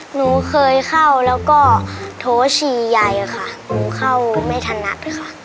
หนูเคยเข้าแล้วก็โถฉี่ใหญ่ค่ะหนูเข้าไม่ถนัดค่ะ